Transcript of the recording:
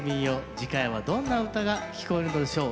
次回はどんな唄が聞こえるのでしょう。